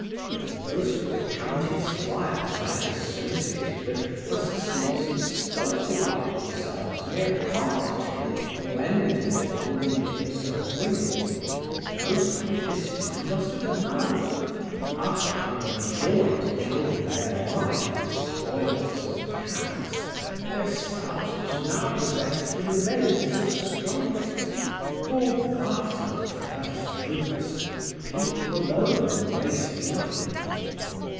But most of the county squires he had associated with must since have stultified themselves near card tables or ended upon the lips of women; most by this time must have married; after having enjoyed, during their life, the spoils of cads, their spouses now possessed the remains of strumpets, for, master of first fruits, the people alone waste nothing.